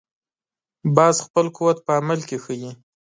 باز خپل قوت په عمل کې ښيي